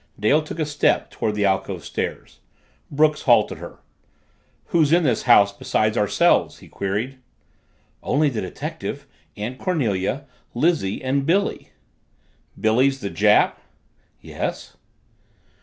Dale took a step toward the alcove stairs. Brooks halted her. "Who's in this house besides ourselves?" he queried. "Only the detective, Aunt Cornelia, Lizzie, and Billy." "Billy's the Jap?" "Yes."